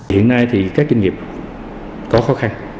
hiện nay thì các doanh nghiệp có khó khăn